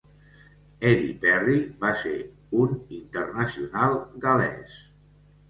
Eddie Perry va passar a ser un internacional gal·lès.